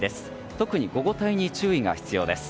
特に午後帯に注意が必要です。